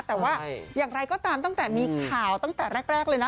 แต่ว่าอย่างไรก็ตามตั้งแต่มีข่าวตั้งแต่แรกเลยนะ